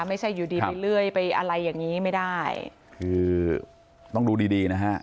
ไม่ใช่อยู่ดีไปเรื่อยไปอะไรอย่างนี้ไม่ได้คือต้องดูดีดีนะฮะ